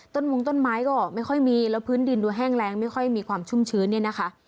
มงต้นไม้ก็ไม่ค่อยมีแล้วพื้นดินดูแห้งแรงไม่ค่อยมีความชุ่มชื้นเนี่ยนะคะ